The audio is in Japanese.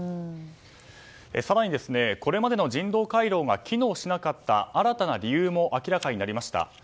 更に、これまでの人道回廊が機能しなかった新たな理由も明らかになりました。